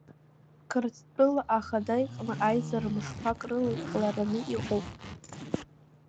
Қырҭтәыла ахада иҟны аизара мышқәак рыла иҟалараны иҟоуп.